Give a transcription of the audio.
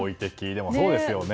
でもそうですよね。